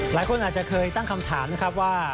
หลายคนอาจจะเคยตั้งคำถามนะครับว่า